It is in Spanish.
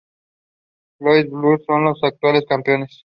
Louis Blues son los actuales campeones.